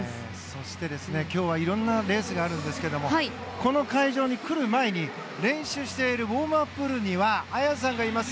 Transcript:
そして、今日は色々なレースがあるんですがこの会場に来る前に練習しているウォームアッププールには綾さんがいます。